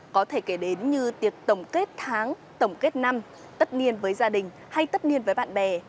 có thể kể đến như tiệc tổng kết tháng tổng kết năm tất niên với gia đình hay tất niên với bạn bè